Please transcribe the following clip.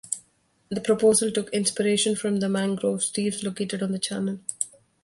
The proposal took inspiration from the mangrove trees located on the channel.